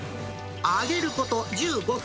揚げること１５分。